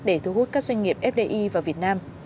để thu hút các doanh nghiệp fdi vào việt nam